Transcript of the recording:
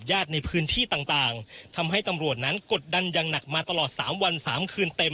ญาติในพื้นที่ต่างทำให้ตำรวจนั้นกดดันอย่างหนักมาตลอด๓วัน๓คืนเต็ม